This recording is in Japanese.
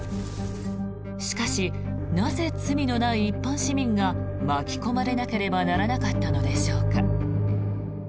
しかし、なぜ罪のない一般市民が巻き込まれなければならなかったのでしょうか。